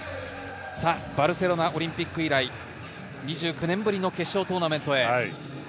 バルセロナオリンピック以来、２９年ぶりの決勝トーナメントへ。